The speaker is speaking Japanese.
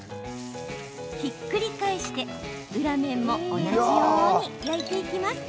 ひっくり返して裏面も同じように焼いていきます。